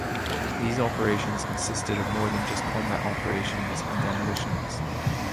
These operations consisted of more than just combat operations and demolitions.